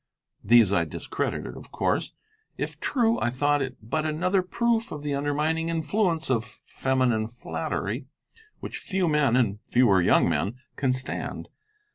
These I discredited, of course. If true, I thought it but another proof of the undermining influence of feminine flattery, which few men, and fewer young men, can stand.